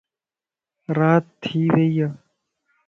رات ٿي ويئي